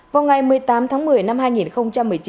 vào ngày một mươi tám tháng một mươi năm hai nghìn một mươi chín